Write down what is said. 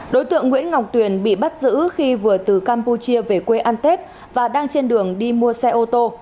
đối tượng nguyễn ngọc tuyền bị bắt giữ khi vừa từ campuchia về quê ăn tết và đang trên đường đi mua xe ô tô